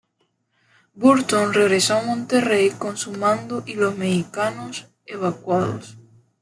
Burton regresó a Monterrey con su mando y los mexicanos evacuados.